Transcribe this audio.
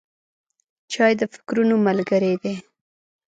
چای د فکرونو ملګری دی.